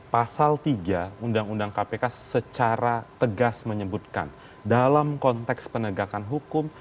pasal tiga undang undang kpk secara tegas menyebutkan dalam konteks penegakan hukum